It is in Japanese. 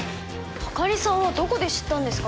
あかりさんはどこで知ったんですかね？